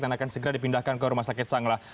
dan akan segera dipindahkan ke rumah sakit